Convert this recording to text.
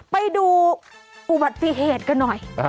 ไปดูอุบัติเหตุกันหน่อย